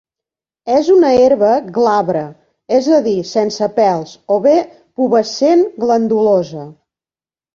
És una herba glabra, és a dir, sense pèls, o bé pubescent glandulosa.